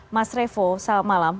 mas revo selamat malam